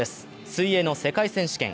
水泳の世界選手権。